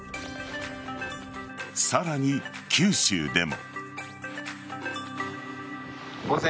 さらに九州でも。